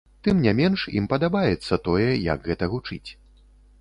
Тым не менш, ім падабаецца тое, як гэта гучыць.